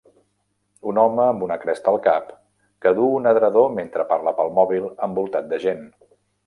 Un home amb una cresta al cap que duu un edredó mentre parla pel mòbil envoltat de gent.